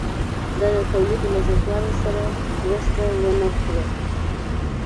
دا د تولید له زیاتوالي سره مرسته ونه کړه